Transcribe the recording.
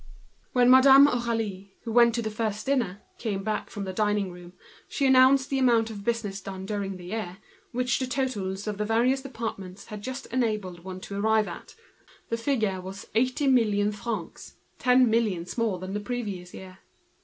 When Madame Aurélie, who went to the first dinner, returned to the dining room, she announced the amount of business done during the year, which the totals of the various departments had just given. The figure was eighty million francs, ten millions more than the preceding year.